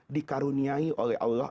dikaruniai oleh allah